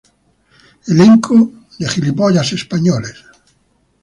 Elenco de nobleza española.